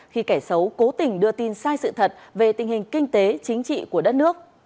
khi kẻ xấu cố tình đưa tin sai sự thật về tình hình kinh tế chính trị của đất nước